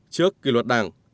trước kỳ luật đảng